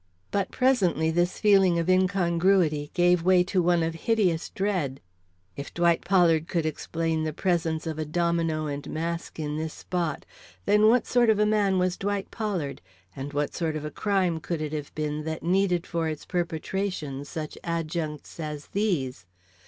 But presently this feeling of incongruity gave way to one of hideous dread. If Dwight Pollard could explain the presence of a domino and mask in this spot, then what sort of a man was Dwight Pollard, and what sort of a crime could it have been that needed for its perpetration such adjuncts as these?